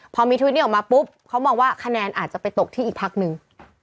พอมีทวิตนี้ออกมาปุ๊บเขามองว่าคะแนนอาจจะไปตกที่อีกพักหนึ่ง